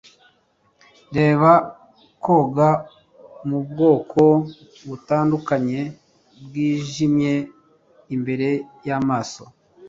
Reba koga mubwoko butandukanye bwijimye imbere yamaso